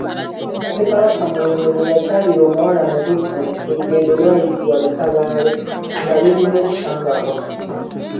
Ssekabaka Mulondo bwe yakyalira omuwala mu Buddu, olugendo lwayitibwa lutabaalo, nga lulimu ekikangabwa.